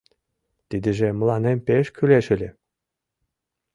Тидыже мыланем пеш кӱлеш ыле.